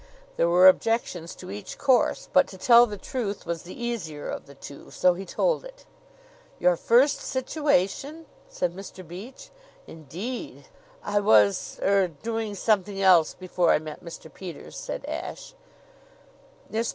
There were objections to each course, but to tell the truth was the easier of the two; so he told it. "Your first situation?" said Mr. Beach. "Indeed!" "I was er doing something else before I met Mr. Peters," said Ashe. Mr.